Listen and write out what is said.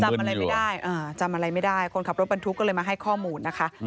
จำอะไรไม่ได้จำอะไรไม่ได้คนขับรถบรรทุกก็เลยมาให้ข้อมูลนะคะ